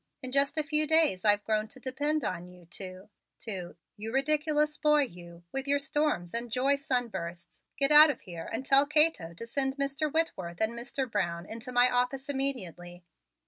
In just a few days I've grown to depend on you to to . You ridiculous boy, you, with your storms and joy sunbursts, get out of here and tell Cato to send Mr. Whitworth and Mr. Brown into my office immediately."